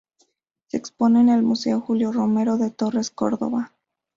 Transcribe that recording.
Se expone en el Museo Julio Romero de Torres, Córdoba.